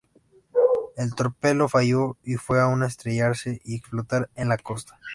El torpedo falló y fue a estrellarse y explotar en la costa.